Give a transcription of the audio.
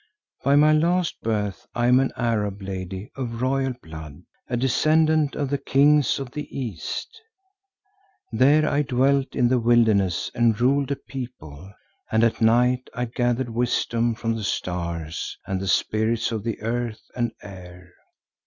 "By my last birth I am an Arab lady of royal blood, a descendant of the Kings of the East. There I dwelt in the wilderness and ruled a people, and at night I gathered wisdom from the stars and the spirits of the earth and air.